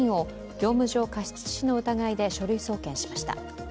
業務上過失致死の疑いで書類送検しました。